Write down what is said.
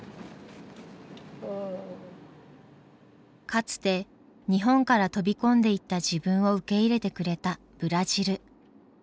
かつて日本から飛び込んでいった自分を受け入れてくれたブラジル。